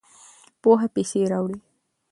پوهه پیسې راوړي.